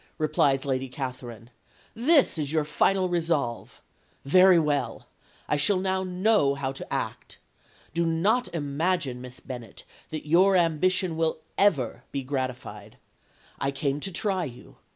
replies Lady Catherine. 'This is your final resolve! Very well. I shall now know how to act. Do not imagine, Miss Bennet, that your ambition will ever be gratified. I came to try you.